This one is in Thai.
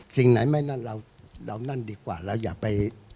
สิ่งไหนไม่นั่นเราเดานั่นดีกว่าเราอย่าไป